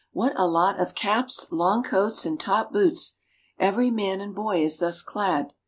What a lot of caps, long coats, and top boots. Every man and boy is thus clad.